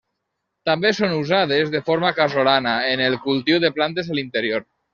També són usades de forma casolana en el cultiu de plantes a l'interior.